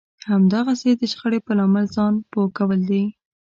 همداسې د شخړې په لامل ځان پوه کول دي.